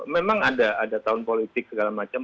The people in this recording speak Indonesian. memang ada ada tahun politik segala macam